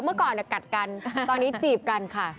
เมื่อก่อนกัดกันตอนนี้จีบกันค่ะ